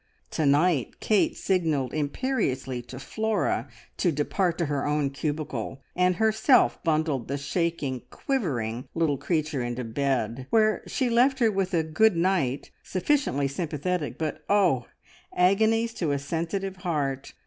To night Kate signalled imperiously to Flora to depart to her own cubicle, and herself bundled the shaking, quivering little creature into bed, where she left her with a "good night" sufficiently sympathetic, but oh, agonies to a sensitive heart!